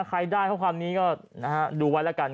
ใครได้ข้อความนี้ก็ดูไว้แล้วกัน